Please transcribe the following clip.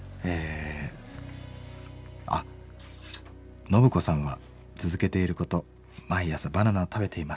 あっノブコさんは続けていること「毎朝バナナを食べています。